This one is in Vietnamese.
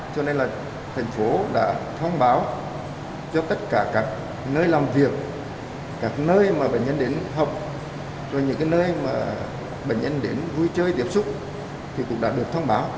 các bệnh nhân đến vui chơi tiếp xúc thì cũng đã được thông báo